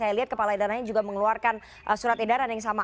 saya lihat kepala daerahnya juga mengeluarkan surat edaran yang sama